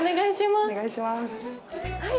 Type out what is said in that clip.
はい。